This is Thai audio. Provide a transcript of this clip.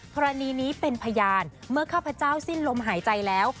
กรณีนี้เป็นพยานเมื่อข้าพเจ้าสิ้นลมหายใจแล้ว